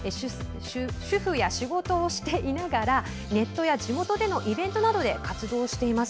主婦や仕事をしていながらネットや地元でのイベントなどで活動しています。